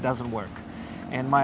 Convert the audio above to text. itu tidak berfungsi